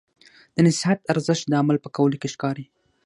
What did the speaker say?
د نصیحت ارزښت د عمل په کولو کې ښکاري.